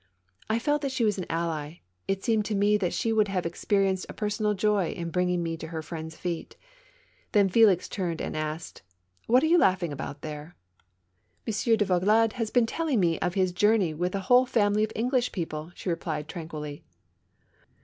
I felt that she was an ally ; it seemed to me that she would have experienced a personal joy in bringing me to her friend's feet. Then, Felix turned and asked: " What are you laughing about there?" "Monsieur de Vaugelade has been telling me of his journey with a whole family of English people !" she replied, tranquilly.